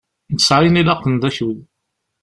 Nesεa ayen ilaqen d akud.